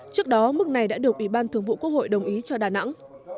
trước đó mức này đã được ủy ban thường vụ quốc hội đồng ý cho đà nẵng